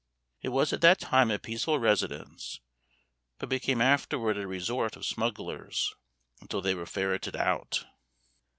It was at that time a peaceful residence, but became afterward a resort of smugglers, until they were ferreted out.